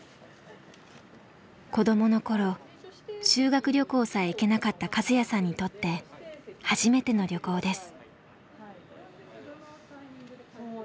子どもの頃修学旅行さえ行けなかったカズヤさんにとって初めての旅行です。